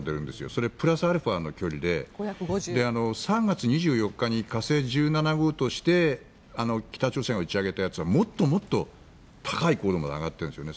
それプラスアルファの距離で３月２４日に火星１７号として北朝鮮が打ち上げたやつはもっともっと高い高度まで上がっているんですね。